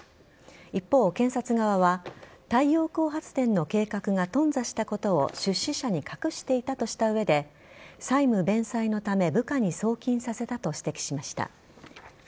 一方、検察側は太陽光発電の計画が頓挫したことを出資者に隠していたとした上で債務弁済のため部下に送金させたと指摘しました。